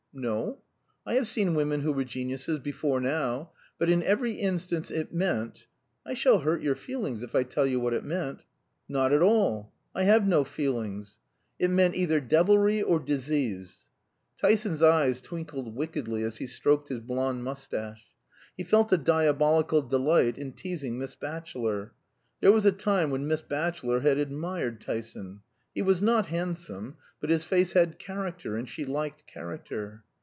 "No? I have seen women who were geniuses, before now; but in every instance it meant I shall hurt your feelings if I tell you what it meant." "Not at all. I have no feelings." "It meant either devilry or disease." Tyson's eyes twinkled wickedly as he stroked his blonde mustache. He felt a diabolical delight in teasing Miss Batchelor. There was a time when Miss Batchelor had admired Tyson. He was not handsome; but his face had character, and she liked character.